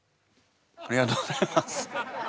ありがとうございます。